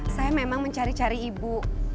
saya memang mencari cari ibu